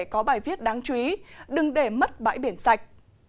có bài viết đáng chú ý đừng để mất bãi biển sạch